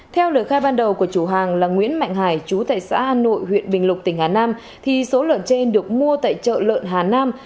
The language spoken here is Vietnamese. theo lời khai ban đầu của chủ hàng là nguyễn mạnh hải chú tại xã an nội huyện bình lục tỉnh hà nam số lợn trên được mua tại chợ lợn hà nam